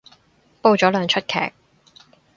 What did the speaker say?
煲咗兩齣劇